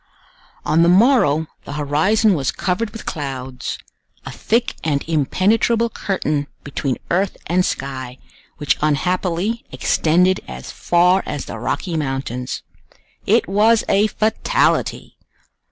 On the morrow the horizon was covered with clouds—a thick and impenetrable curtain between earth and sky, which unhappily extended as far as the Rocky Mountains. It was a fatality!